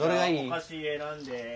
お菓子選んで。